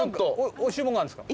おいしいものがあるんですか？